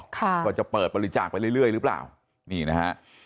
ก็จะเปิดบริจาคไปเรื่อยหรือเปล่านี่นะฮะ